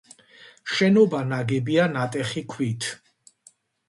შენობა ნაგებია ნატეხი ქვით.